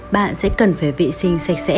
bạn sẽ cần phải vệ sinh sạch sẽ